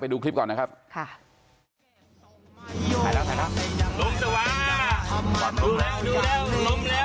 ไปดูคลิปก่อนนะครับค่ะ